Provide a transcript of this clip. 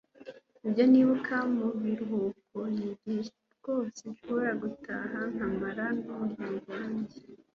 ibyo nibuka mu biruhuko ni igihe rwose nshobora gutaha nkamarana n'umuryango wanjye